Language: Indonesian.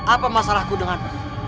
apa masalahku dengan